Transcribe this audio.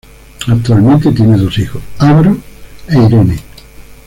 Actualmente tiene dos hijos, Álvaro e Irene.